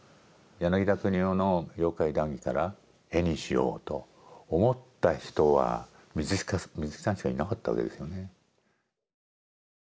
柳田國男の「妖怪談義」から絵にしようと思った人は水木さんしかいなかったわけですよね。